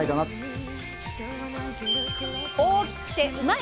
大きくてうまいッ！